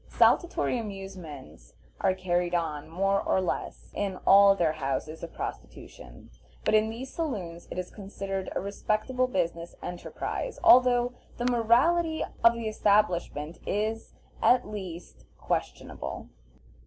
Saltatory amusements are carried on, more or less, in all their houses of prostitution, but in these saloons it is considered a respectable business enterprise, although the morality of the establishments is, at least, questionable.